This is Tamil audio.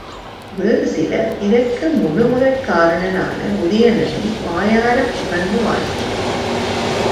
வேறு சிலர், இதற்கு முழுமுதற் காரணனான உதயணனை வாயாறப் புகழ்ந்து வாழ்த்தினர்.